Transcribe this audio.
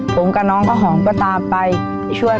ผมกับน้องข้าวหอมก็ตามไปช่วย